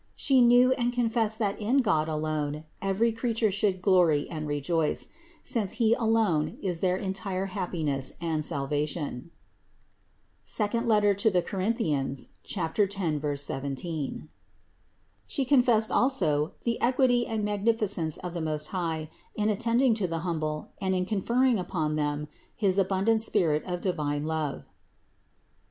She knew and confessed that in God alone every creature should glory and rejoice, since He alone is their entire happiness and salvation (II Cor. 10, 17). She confessed also the equity and magnificence of the Most High in attending to the humble and in confer ring upon them his abundant spirit of divine love (Ps.